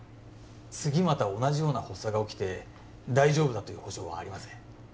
次また同じような発作が起きて大丈夫だという保証はありません